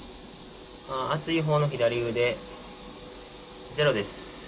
暑いほうの左腕、ゼロです。